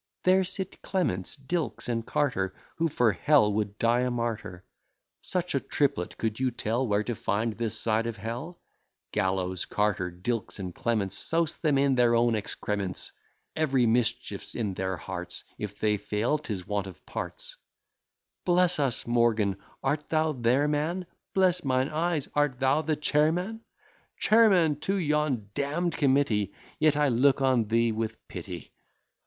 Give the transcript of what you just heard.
There sit Clements, Dilks, and Carter; Who for Hell would die a martyr. Such a triplet could you tell Where to find on this side Hell? Gallows Carter, Dilks, and Clements, Souse them in their own excrements. Every mischief's in their hearts; If they fail, 'tis want of parts. Bless us! Morgan, art thou there, man? Bless mine eyes! art thou the chairman? Chairman to yon damn'd committee! Yet I look on thee with pity.